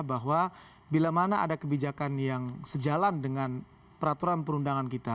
bahwa bila mana ada kebijakan yang sejalan dengan peraturan perundangan kita